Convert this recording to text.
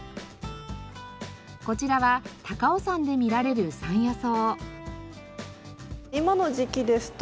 こちらは高尾山で見られる山野草。